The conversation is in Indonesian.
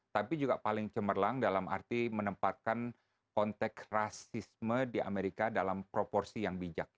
tapi juga paling cemerlang dalam arti menempatkan konteks rasisme di amerika dalam proporsi yang bijak